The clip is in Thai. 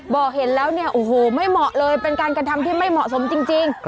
บอกเห็นแล้วเนี่ยโอ้โหไม่เหมาะเลยเป็นการกระทำที่ไม่เหมาะสมจริง